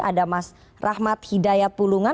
ada mas rahmat hidayat pulungan